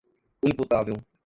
imputável